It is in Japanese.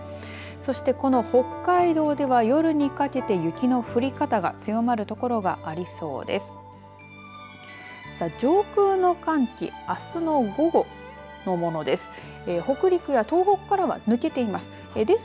そしてこの北海道では夜にかけて雪の降り方が強まる所がありそうです。